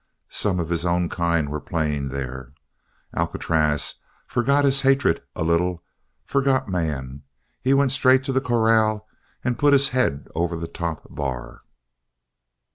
Some of his own kind were playing there; Alcatraz forgot his hatred a little, forgot man. He went straight to the corral and put his head over the top bar.